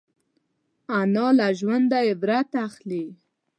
انا له ژونده عبرت اخلي